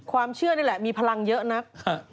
ความเชื่อนี่แหละมีพลังเยอะนัก